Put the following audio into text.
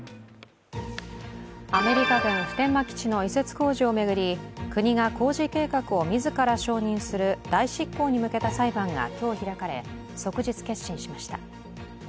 アメリカ軍普天間基地の移設工事を巡り、国が工事計画を自ら承認する代執行に向けた裁判が今日開かれ、即日結審しました。